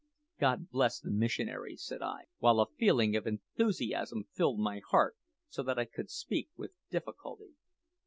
"God bless the missionaries," said I, while a feeling of enthusiasm filled my heart so that I could speak with difficulty.